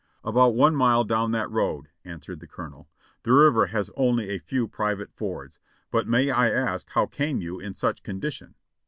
"About one mile down that road," answered the Colonel. "The river has only a few private fords. But may I ask how came you in such condition?"